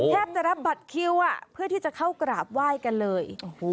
แทบจะรับบัตรคิวเพื่อที่จะเข้ากราบไหว้กันเลย